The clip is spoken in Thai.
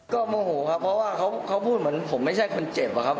ก็โมโหครับเพราะว่าเขาพูดเหมือนผมไม่ใช่คนเจ็บอะครับ